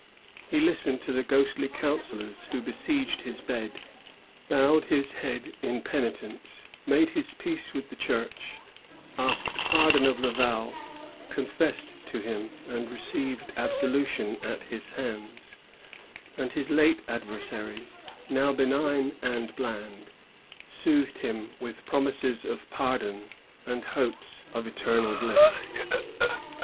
He listened to the ghostly counsellors who besieged his bed, bowed his head in penitence, made hJs peace with the Church, asked pardon of Laval, confessed to him, and received absolution at his hands; and his late adversaries, now benign and bland, soothed him with promises of pardon, and hopes of eternal bliss.